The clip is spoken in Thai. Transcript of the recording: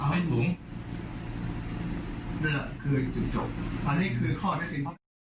เอาอย่างนั้นคือจมหละคือเรื่องนี้